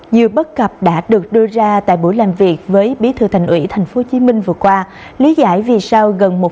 nhiều bất cập đã được đưa ra tại buổi làm việc với bí thư thành ủy tp hcm vừa qua lý giải vì sao gần một nhân viên y tế công lập tại tp hcm phải tự bỏ nghề nghiệp